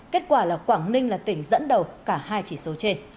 kết quả là quảng ninh là tỉnh dẫn đầu cả hai chỉ số trên